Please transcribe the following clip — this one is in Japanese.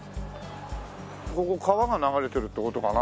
ここ川が流れてるって事かな？